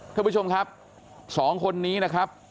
ท่านผู้ชมครับสองคนนี้นะครับ